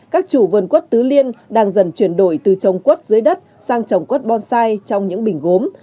các chủ vườn quất tứ liên đang dần chuyển đổi từ trồng quất dưới đất sang trồng quất bonsai trong những bình gốm